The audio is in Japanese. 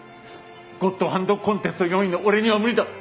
ゴッドハンドコンテスト４位の俺には無理だ。